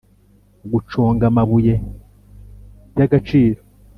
guconga amabuye y agaciro